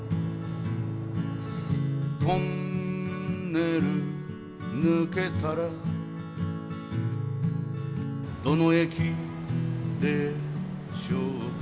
「トンネル抜けたらどの駅でしょうか」